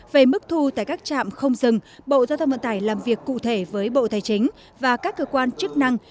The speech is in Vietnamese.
về mức thu tại các trạm không dừng bộ giao thông vận tải làm việc cụ thể với bộ tài chính và các cơ quan chức năng